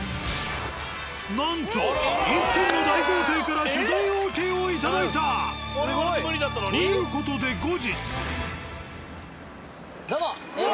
なんと１軒の大豪邸から取材ＯＫを頂いた。という事でどうもＡぇ！